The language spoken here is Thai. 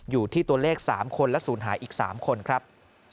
อยู่ที่ตัวเลข๓คนและศูนย์หายอีก๓คนครับ